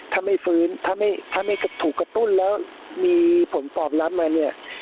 ถ้าไม่ฟื้นถ้าไม่ถูกกระตุ้นแล้วมีผลตอบรับมาเนี่ย